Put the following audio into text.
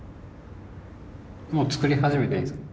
もう作り始めていいんですか。